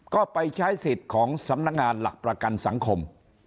ก็ไปใช้สิทธิ์ของสำนักงานหลักประกันสังคม